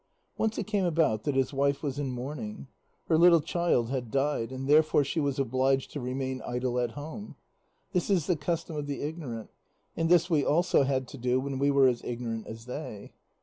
Once it came about that his wife was in mourning. Her little child had died, and therefore she was obliged to remain idle at home; this is the custom of the ignorant, and this we also had to do when we were as ignorant as they.